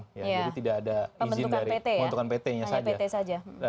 jadi tidak ada izin dari pembentukan pt nya saja